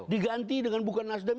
diganti dengan bukan nasdem